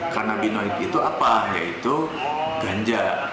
kanabinoid itu apa yaitu ganja